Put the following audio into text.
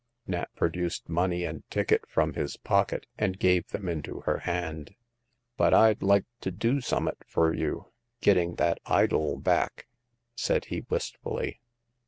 Nat produced money and ticket from his pocket, and gave them into her hand. " But Fd like to do summat fur you gitting that idol back," said he, wistfully.